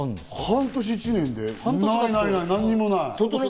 半年、１年で何もない。